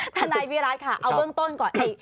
ทนายวิรัติค่ะเอาเบื้องต้นก่อน